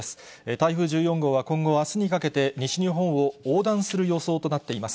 台風１４号は、今後はあすにかけて、西日本を横断する予想となっています。